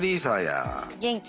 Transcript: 元気？